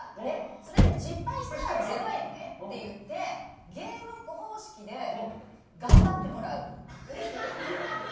それで失敗したらゼロ円ねって言ってゲーム方式で頑張ってもらう。